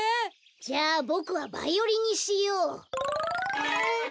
じゃあボクはバイオリンにしよう。